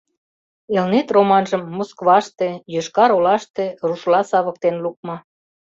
«Элнет» романжым Москваште, Йошкар-Олаште рушла савыктен лукмо.